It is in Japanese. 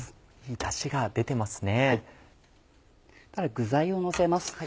具材をのせます。